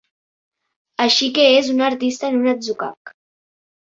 Així que és un artista en un atzucac.